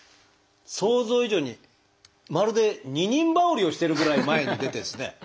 想像以上にまるで二人羽織りをしてるぐらい前に出てるんですね。